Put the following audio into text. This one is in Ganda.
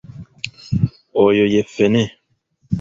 Oyo ye ffene.